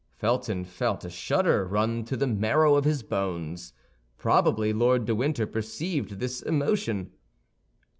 Felton felt a shudder run to the marrow of his bones; probably Lord de Winter perceived this emotion.